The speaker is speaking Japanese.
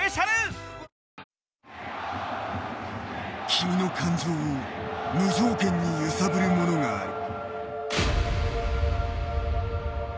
君の感情を無条件に揺さぶるものがある。